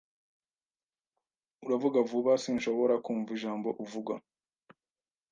Uravuga vuba sinshobora kumva ijambo uvuga.